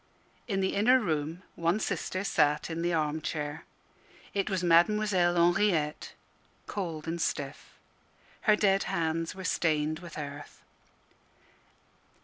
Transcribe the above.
In the inner room one sister sat in the arm chair. It was Mademoiselle Henriette, cold and stiff. Her dead hands were stained with earth.